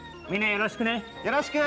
よろしく！